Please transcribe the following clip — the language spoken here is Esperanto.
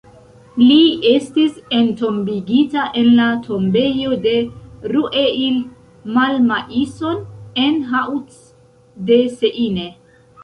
Li estis entombigita en la tombejo de Rueil-Malmaison en Hauts-de-Seine.